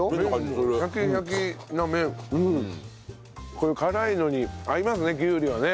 これ辛いのに合いますねきゅうりはね。